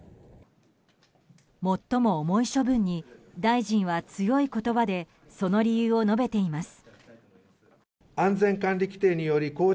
最も重い処分に大臣は強い言葉でその理由を述べています。